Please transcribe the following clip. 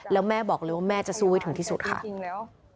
แล้วแม่บอกเลยว่าแม่จะสู้ไว้ถึงที่สุดค่ะ